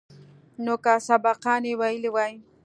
نو که سبقان يې ويلي واى.